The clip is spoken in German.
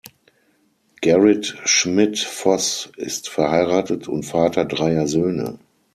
Gerrit Schmidt-Foß ist verheiratet und Vater dreier Söhne.